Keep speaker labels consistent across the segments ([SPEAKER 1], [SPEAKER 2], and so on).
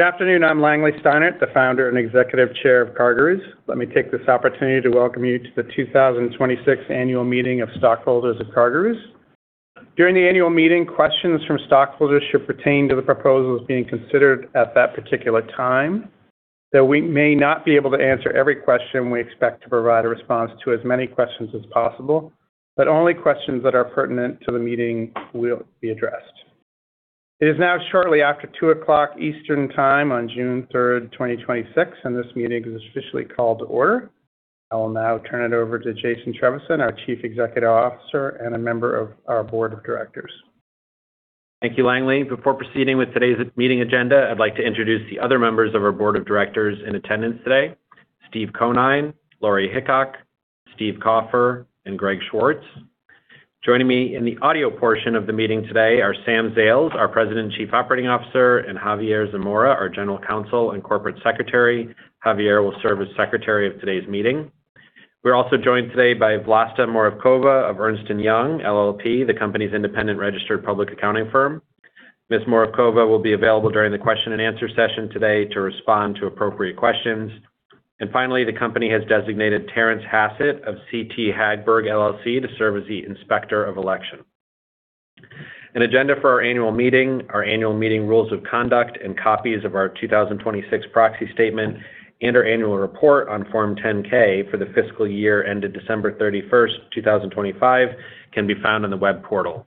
[SPEAKER 1] Good afternoon. I'm Langley Steinert, the Founder and Executive Chair of CarGurus. Let me take this opportunity to welcome you to the 2026 annual meeting of stockholders of CarGurus. During the annual meeting, questions from stockholders should pertain to the proposals being considered at that particular time. Though we may not be able to answer every question, we expect to provide a response to as many questions as possible, but only questions that are pertinent to the meeting will be addressed. It is now shortly after 2:00 P.M. Eastern Time on June 3rd, 2026, and this meeting is officially called to order. I will now turn it over to Jason Trevisan, our Chief Executive Officer and a member of our Board of Directors.
[SPEAKER 2] Thank you, Langley. Before proceeding with today's meeting agenda, I'd like to introduce the other members of our board of directors in attendance today: Steve Conine, Lori Hickok, Steve Kaufer, and Greg Schwartz. Joining me in the audio portion of the meeting today are Sam Zales, our President and Chief Operating Officer, and Javier Zamora, our General Counsel and Corporate Secretary. Javier will serve as Secretary of today's meeting. We're also joined today by Vlasta Moravkova of Ernst & Young LLP, the company's independent registered public accounting firm. Ms. Moravkova will be available during the question-and-answer session today to respond to appropriate questions. Finally, the company has designated Terence Hassett of CT Hagberg LLC to serve as the Inspector of Election. An agenda for our annual meeting, our annual meeting rules of conduct, and copies of our 2026 proxy statement and our annual report on Form 10-K for the fiscal year ended December 31st, 2025, can be found on the web portal.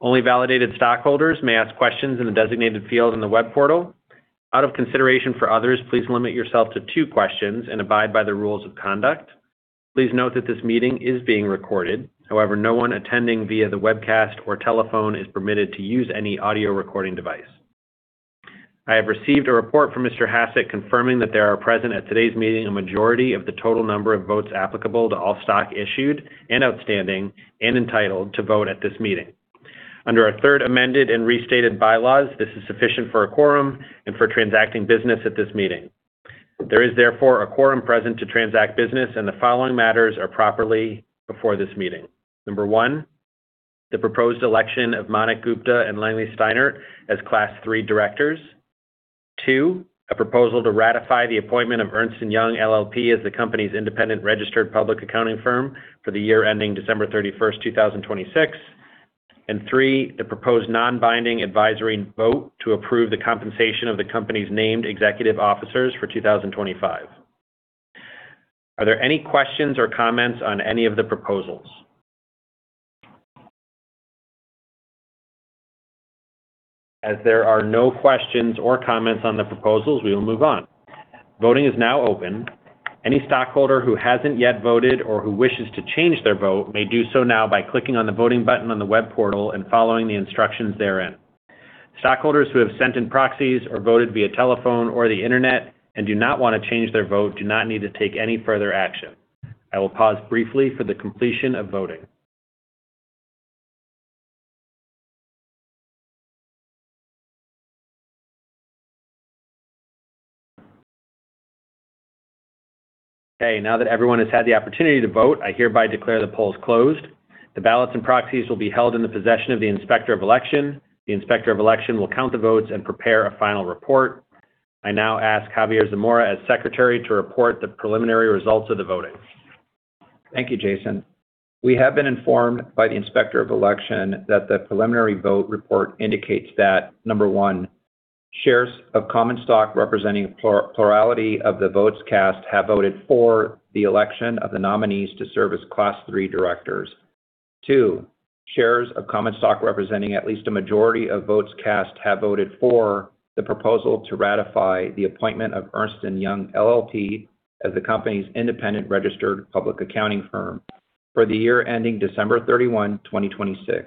[SPEAKER 2] Only validated stockholders may ask questions in the designated field on the web portal. Out of consideration for others, please limit yourself to two questions and abide by the rules of conduct. Please note that this meeting is being recorded. However, no one attending via the webcast or telephone is permitted to use any audio recording device. I have received a report from Mr. Hassett confirming that there are present at today's meeting a majority of the total number of votes applicable to all stock issued and outstanding and entitled to vote at this meeting. Under our third amended and restated bylaws, this is sufficient for a quorum and for transacting business at this meeting. There is therefore a quorum present to transact business, and the following matters are properly before this meeting. Number one. The proposed election of Manik Gupta and Langley Steinert as Class III directors. Two. A proposal to ratify the appointment of Ernst & Young LLP as the company's independent registered public accounting firm for the year ending December 31st, 2026. Three. The proposed non-binding advisory vote to approve the compensation of the company's named executive officers for 2025. Are there any questions or comments on any of the proposals? As there are no questions or comments on the proposals, we will move on. Voting is now open. Any stockholder who hasn't yet voted or who wishes to change their vote may do so now by clicking on the voting button on the web portal and following the instructions therein. Stockholders who have sent in proxies or voted via telephone or the internet and do not want to change their vote do not need to take any further action. I will pause briefly for the completion of voting. Okay. Now that everyone has had the opportunity to vote, I hereby declare the polls closed. The ballots and proxies will be held in the possession of the Inspector of Election. The Inspector of Election will count the votes and prepare a final report. I now ask Javier Zamora as Secretary to report the preliminary results of the voting.
[SPEAKER 3] Thank you, Jason. We have been informed by the Inspector of Election that the preliminary vote report indicates that, number one, shares of common stock representing a plurality of the votes cast have voted for the election of the nominees to serve as Class III directors. Two, shares of common stock representing at least a majority of votes cast have voted for the proposal to ratify the appointment of Ernst & Young LLP as the company's independent registered public accounting firm for the year ending December 31, 2026.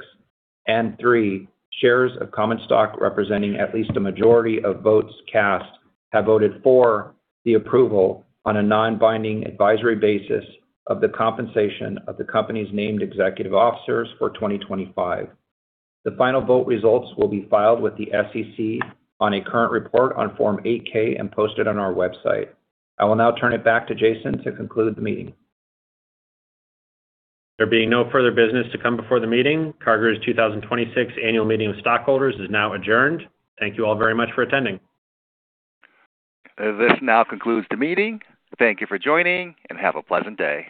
[SPEAKER 3] Three, shares of common stock representing at least a majority of votes cast have voted for the approval on a non-binding advisory basis of the compensation of the company's named executive officers for 2025. The final vote results will be filed with the SEC on a current report on Form 8-K and posted on our website. I will now turn it back to Jason to conclude the meeting.
[SPEAKER 2] There being no further business to come before the meeting, CarGurus' 2026 annual meeting of stockholders is now adjourned. Thank you all very much for attending.
[SPEAKER 1] This now concludes the meeting. Thank you for joining, and have a pleasant day.